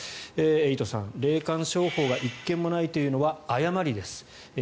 エイトさん、霊感商法が１件もないというのは誤りです。